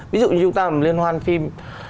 ví dụ như chúng ta liên hoan phim